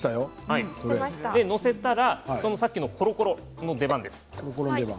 載せたらさっきのコロコロの出番です。